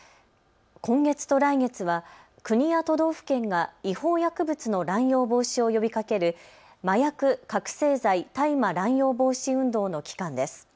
今月と来月は国や都道府県が違法薬物の乱用防止を呼びかける麻薬・覚醒剤・大麻乱用防止運動の期間です。